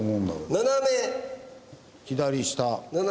斜め左下。